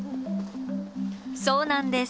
そうなんです。